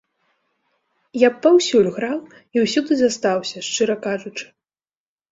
Я б паўсюль граў і ўсюды застаўся, шчыра кажучы.